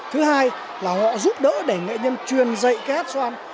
thứ hai là họ giúp đỡ để nghệ nhân truyền dạy cái hát xoan